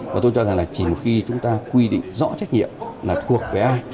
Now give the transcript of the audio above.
và tôi cho rằng là chỉ một khi chúng ta quy định rõ trách nhiệm là thuộc về ai